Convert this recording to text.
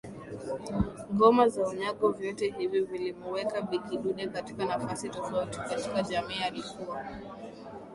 ngoma za unyago vyote hivi vilimuweka Bi Kidude katika nafasi tofauti katika jamii Alikuwa